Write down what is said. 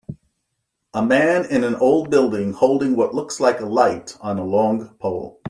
A man in an old building holding what looks like a light on a long pole.